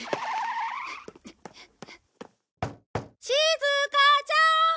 しずかちゃーん！